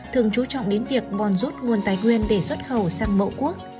thường chú trọng đến việc bòn rút nguồn tài nguyên để xuất khẩu sang mẫu quốc